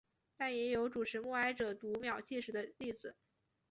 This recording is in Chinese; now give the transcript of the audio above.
但也有主持默哀者读秒计时的例子。